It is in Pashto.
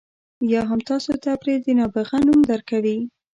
یا هم تاسو ته پرې د نابغه نوم درکوي.